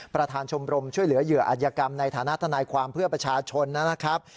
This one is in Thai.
ประธานชมรมช่วยเหลือเหยื่ออัธยกรรมในฐานะทนายความเพื่อประชาชนนะครับ